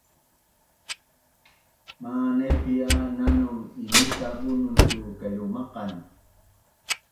Manaipi’ a nanu imita Bunun tu kailumaqan